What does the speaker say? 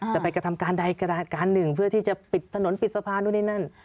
ไปกระทำการใดกระดาษการหนึ่งเพื่อที่จะปิดถนนปิดสะพานนู่นนี่นั่น